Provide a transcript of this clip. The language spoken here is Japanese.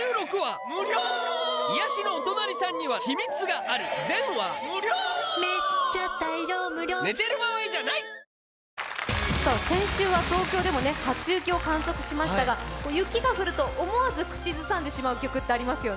あなたも先週は東京でも初雪を観測しましたが、雪が降ると、思わず口ずさんでしまう曲ってありますよね。